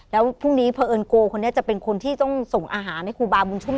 แล้วพรุ่งนี้พอเอิญโกคนนี้จะเป็นคนที่ต้องส่งอาหารให้ครูบาบุญชุ่ม